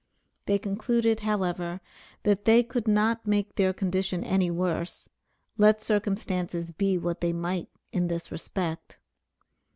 They concluded, however, that they could not make their condition any worse, let circumstances be what they might in this respect.